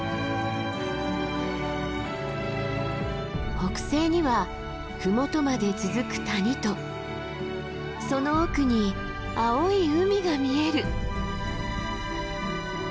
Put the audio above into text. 北西には麓まで続く谷とその奥に青い海が見える。